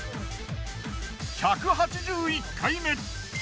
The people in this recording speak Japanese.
１８１回目。